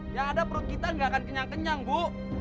yang ada perut kita nggak akan kenyang kenyang bu